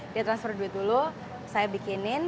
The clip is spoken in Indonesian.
dia transfer duit dulu saya bikinin